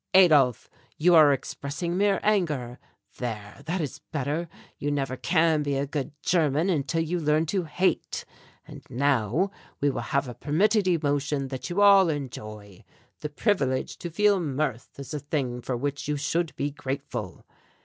Adolph, you are expressing mere anger. There, that is better. You never can be a good German until you learn to hate. "And now we will have a permitted emotion that you all enjoy; the privilege to feel mirth is a thing for which you should be grateful.